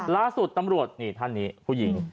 ล่าสุดตำรวจนี่ท่านนี้ผู้หญิง